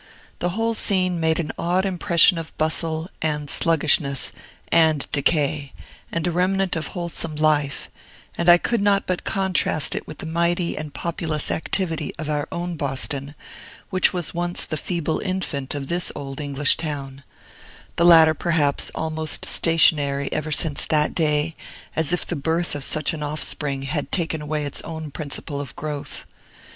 The whole scene made an odd impression of bustle, and sluggishness, and decay, and a remnant of wholesome life; and I could not but contrast it with the mighty and populous activity of our own Boston, which was once the feeble infant of this old English town; the latter, perhaps, almost stationary ever since that day, as if the birth of such an offspring had taken away its own principle of growth.